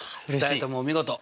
２人ともお見事！